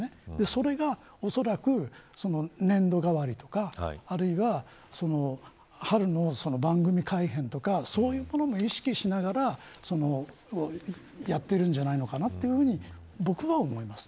それが、おそらく年度変わりとかあるいは、春の番組改編とかそういうものも意識しながらやっているんじゃないのかなと僕は思います。